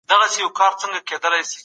نړیوال تعامل د انزوا مخه نیسي.